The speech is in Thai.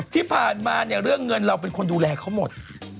ที่ผ่านมาเนี่ยเรื่องเงินเราเป็นคนดูแลเขาหมด